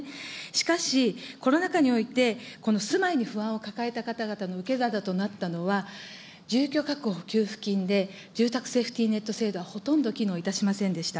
しかし、コロナ禍においてこの住まいに不安を抱えた方々の受け皿となったのは、住居確保給付金で、住宅セーフティーネット制度はほとんど機能いたしませんでした。